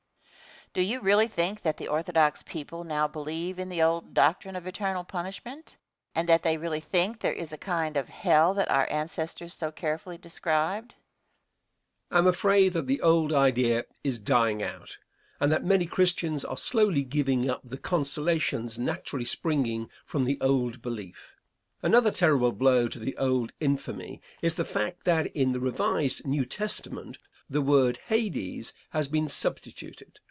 Question. Do you really think that the orthodox people now believe in the old doctrine of eternal punishment, and that they really think there is a kind of hell that our ancestors so carefully described? Answer. I am afraid that the old idea is dying out, and that many Christians are slowly giving up the consolations naturally springing from the old belief. Another terrible blow to the old infamy is the fact that in the revised New Testament the word Hades has been substituted.